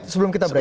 sebelum kita break